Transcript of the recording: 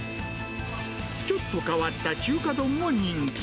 ちょっと変わった中華丼も人気。